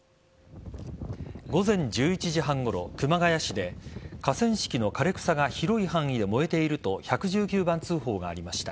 午前１１時半ごろ、熊谷市で河川敷の枯れ草が広い範囲で燃えていると１１９番通報がありました。